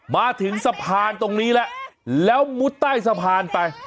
มาถึงสะพานตรงนี้แล้วแล้วมุดใต้สะพานไป